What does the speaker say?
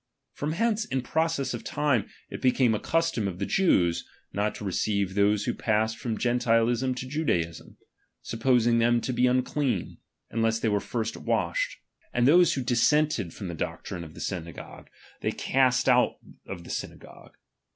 From hence in process of time it become a custom of the Jews, not to receive those who passed from Gentilism to Judaism, sup posing them to be unclean, unless they were first washed ; and those who dissented from the doctrine N «z»f the synagogue, they cast out of the synagogue.